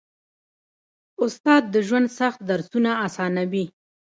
استاد د ژوند سخت درسونه اسانوي.